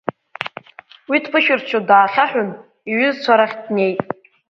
Уи дԥышәырччо даахьаҳәын, иҩызцәа рахь днеит.